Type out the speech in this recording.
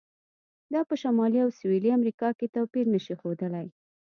دا په شمالي او سویلي امریکا کې توپیر نه شي ښودلی.